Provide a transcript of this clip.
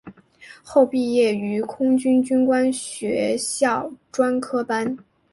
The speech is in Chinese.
后毕业于空军军官学校专科班。